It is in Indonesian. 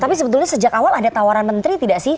tapi sebetulnya sejak awal ada tawaran menteri tidak sih